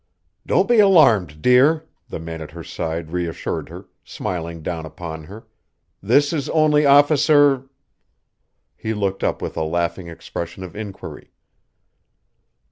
"Don't be alarmed, dear," the man at her side reassured her, smiling down upon her, "this is only officer " He looked up with a laughing expression of inquiry.